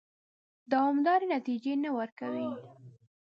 دوامدارې نتیجې نه ورکوي.